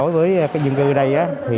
với dân cư ở đây